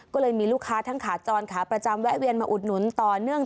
ก็เลยมีลูกค้าทั้งขาจรขาประจำแวะเวียนมาอุดหนุนต่อเนื่อง